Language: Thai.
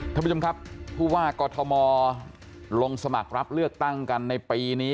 ท่านผู้ชมครับผู้ว่ากอทมลงสมัครรับเลือกตั้งกันในปีนี้